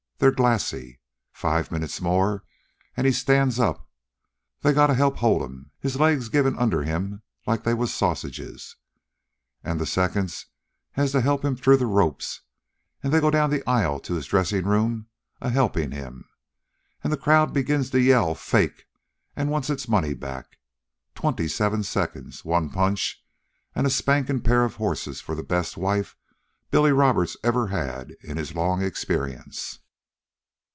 They're glassy. Five minutes more, an' he stands up. They got to help hold 'm, his legs givin' under 'm like they was sausages. An' the seconds has to help 'm through the ropes, an' they go down the aisle to his dressin' room a helpin' 'm. An' the crowd beginning to yell fake an' want its money back. Twenty seven seconds one punch n' a spankin' pair of horses for the best wife Billy Roberts ever had in his long experience."